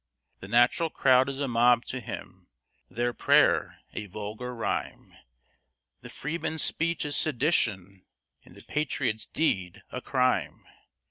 The natural crowd is a mob to him, their prayer a vulgar rhyme; The freeman's speech is sedition, and the patriot's deed a crime.